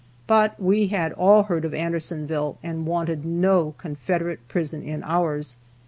But we had all heard of Andersonville, and wanted no Confederate prison in ours.